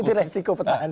itu resiko pertahanan